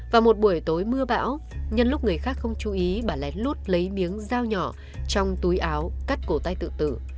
vào một buổi tối mưa bão nhân lúc người khác không chú ý bà lén lút lấy miếng dao nhỏ trong túi áo cắt cổ tay tự tử